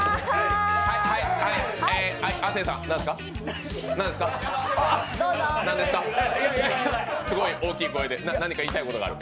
亜生さん、すごい大きい声で何か言いたいことがある？